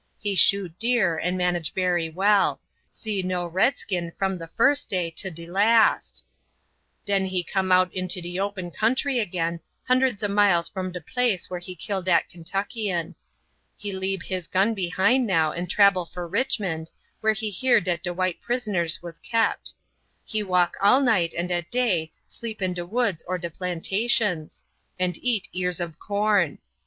He shoot deer and manage bery well; see no redskin from the first day to de last; den he come out into de open country again, hundreds ob miles from de place where he kill dat Kentuckian. He leab his gun behind now and trabel for Richmond, where he hear dat de white prisoners was kept. He walk all night and at day sleep in de woods or de plantations, and eat ears ob corn.